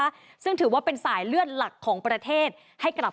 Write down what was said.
ซึ่งถือว่าเป็นสายเลือดหลักของประเทศให้กลับ